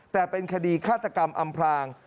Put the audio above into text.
แต่เป็นคดีฆาตกรรมอำพลาง